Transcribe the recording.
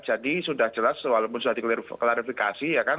jadi sudah jelas walaupun sudah diklarifikasi ya kan